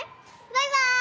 バイバイ！